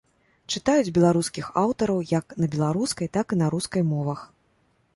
Чытаюць беларускіх аўтараў як на беларускай, так і на рускай мовах.